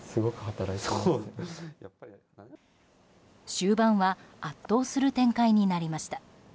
終盤は圧倒する展開になりました。